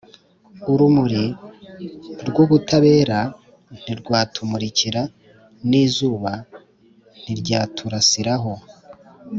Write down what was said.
urumuri rw’ubutabera ntirwatumurikira, n’izuba ntiryaturasiraho.